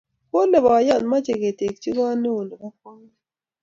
kole boyot mache ketekchi kot neo nebo kwangut